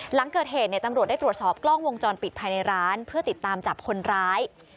หลังเกิดเหตุตำรวจได้ตรวจสอบกล้องวงจรปิดภายในร้านเพื่อติดตามจับคนร้าย